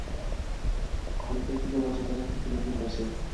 Pirotexnika vositalari kirib keladigan darcha